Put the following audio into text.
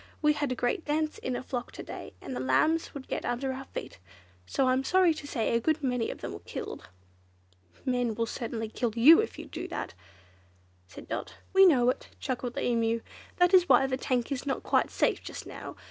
We had a great dance in a flock to day, and the lambs would get under our feet, so I'm sorry to say a good many of them were killed." "Men will certainly kill you, if you do that," said Dot. "We know it," chuckled the Emu; "that is why the tank is not quite safe just now.